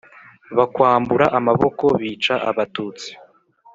bakwambura amaboko bica abatutsi